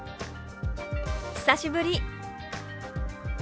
「久しぶり」。